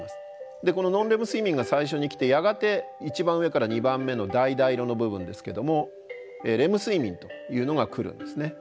でこのノンレム睡眠が最初に来てやがて一番上から２番目のだいだい色の部分ですけどもレム睡眠というのが来るんですね。